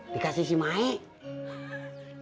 dikasih si maik